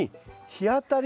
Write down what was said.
日当たり。